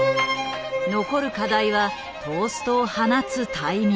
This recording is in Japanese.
残る課題はトーストを放つタイミング。